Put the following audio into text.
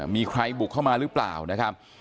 มีใครบุกเข้ามาหรือเปล่านะครับ